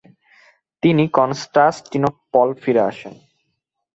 তিনি কনস্টান্টিনোপল ফিরে আসেন।